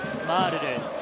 マールル。